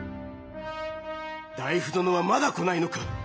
内府殿はまだ来ないのか！